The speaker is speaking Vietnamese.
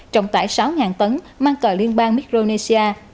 trọng tải sáu tấn mang cờ liên bang micronesia